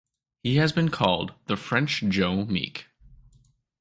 He has been called "the French Joe Meek".